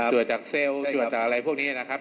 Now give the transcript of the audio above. ตรวจจากเซลล์อะไรพวกนี้ครับ